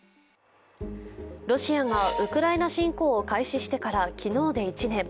ロシアがウクライナ侵攻を開始してから昨日で１年。